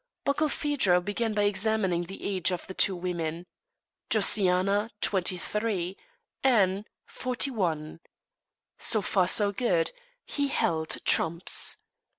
Barkilphedro began by examining the age of the two women. Josiana, twenty three; Anne, forty one. So far so good. He held trumps.